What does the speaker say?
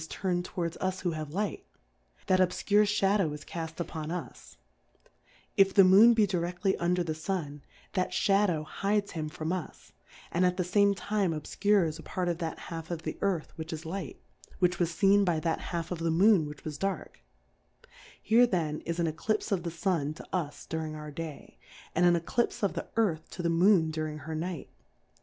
Difcourfes on the is turnM towards us who have Light, that obfcure Shadow is cafl: upon us : If the Moon be direQly under the Sun, that Shadow hides him from us, and at the fame Time obfcures a part of that half of the Earth which is Light, which was feen by that half of the Moon which was Dark, here then is an E clipfe of the Sun to us during our Day, and an Eclipfe of the Earth to the Moon during her Night.